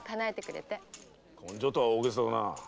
「今生」とは大げさだな。